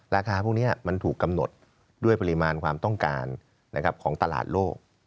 ราคาพวกนี้มันถูกกำหนดด้วยปริมาณความต้องการของตลาดโลก